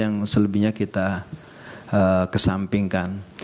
yang selebihnya kita kesampingkan